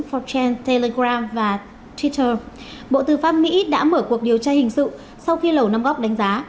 forten telegram và twitter bộ tư pháp mỹ đã mở cuộc điều tra hình sự sau khi lầu năm góc đánh giá